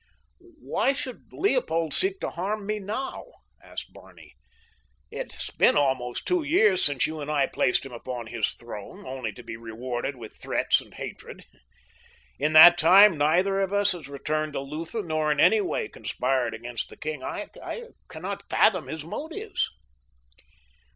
"Why should Leopold seek to harm me now?" asked Barney. "It has been almost two years since you and I placed him upon his throne, only to be rewarded with threats and hatred. In that time neither of us has returned to Lutha nor in any way conspired against the king. I cannot fathom his motives."